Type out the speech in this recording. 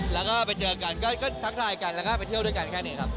แล้วก็ไปเจอกันก็ทักทายกันแล้วก็ไปเที่ยวด้วยกันแค่นี้ครับ